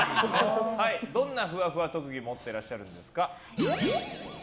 どんなふわふわ特技を持っていらっしゃるんですか？